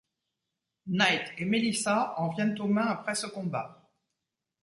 Knight et Melissa en viennent au main après ce combat.